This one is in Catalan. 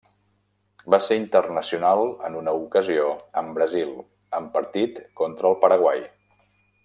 Va ser internacional en una ocasió amb Brasil, en partit contra el Paraguai.